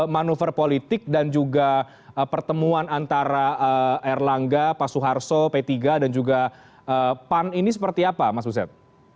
manuver politik dan juga pertemuan antara erlangga pak suharto p tiga dan juga pan ini seperti apa mas buset